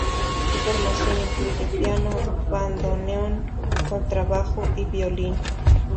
Su formación incluye piano, bandoneón, contrabajo y violín.